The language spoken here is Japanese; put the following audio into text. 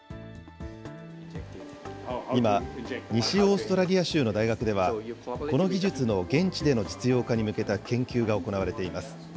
今、西オーストラリア州の大学では、この技術の現地での実用化に向けた研究が行われています。